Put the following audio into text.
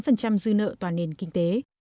năm dư nợ toàn nền kinh tế